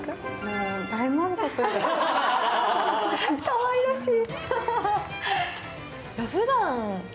かわいらしい。